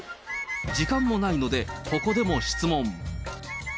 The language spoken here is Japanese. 時間もないので、ここでも質問。